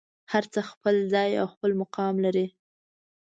هر څه خپل ځای او خپل مقام لري.